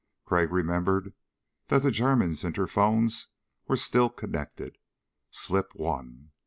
Crag remembered that the German's interphones were still connected. Slip one.